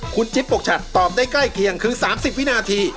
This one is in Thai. คุณจิ๊บปกฉัดตอบได้ใกล้เคียงคือ๓๐วินาที